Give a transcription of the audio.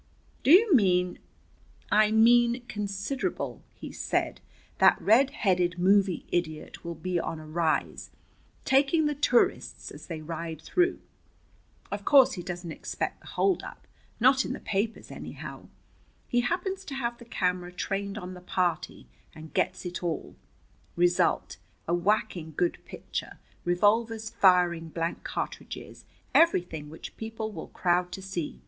"Do you mean " "I mean considerable," he said. "That red headed movie idiot will be on a rise, taking the tourists as they ride through. Of course he doesn't expect the holdup not in the papers anyhow. He happens to have the camera trained on the party, and gets it all. Result a whacking good picture, revolvers firing blank cartridges, everything which people will crowd to see.